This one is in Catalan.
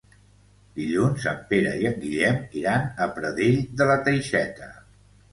Dilluns en Pere i en Guillem iran a Pradell de la Teixeta.